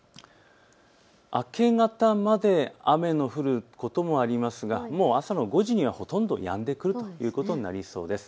明け方まで雨の降ることもありますが朝の５時にはほとんどやんでくるということになりそうです。